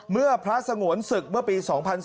เมื่อพระสงวนศึกเมื่อปี๒๔